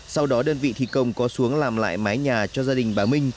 sau đó đơn vị thi công có xuống làm lại mái nhà cho gia đình bà minh